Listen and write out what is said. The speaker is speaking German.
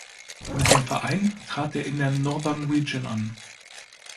Mit dem Verein trat er in der Northern Region an.